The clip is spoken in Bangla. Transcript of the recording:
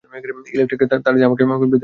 ইলেকক্ট্রিক তার দিয়ে আমাকে বেঁধে রাখা হয়েছিল।